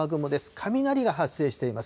雷が発生しています。